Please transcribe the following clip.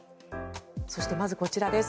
そしてまずこちらです。